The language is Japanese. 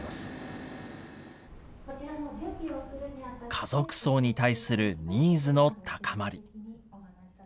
家族葬に対するニーズの高まり。